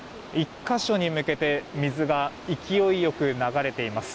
１か所に向けて、水が勢い良く流れています。